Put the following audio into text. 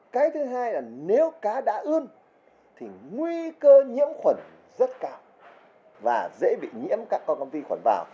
cái thứ hai là nếu cá đã ươn thì nguy cơ nhiễm khuẩn rất cao và dễ bị nhiễm các con omi khuẩn vào